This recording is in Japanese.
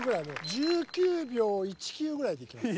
１９秒１９ぐらいでいきます。